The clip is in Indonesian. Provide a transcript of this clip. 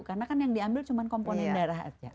karena kan yang diambil cuma komponen darah aja